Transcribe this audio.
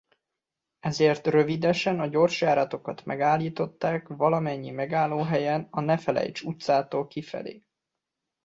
Ezért rövidesen a gyorsjáratokat megállították valamennyi megállóhelyen a Nefelejcs utcától kifelé.